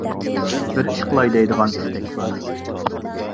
بىر ئىش قىلاي دەيدىغان ئىستەك بار.